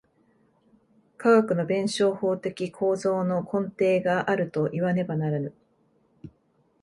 科学の弁証法的構造の根底があるといわねばならぬ。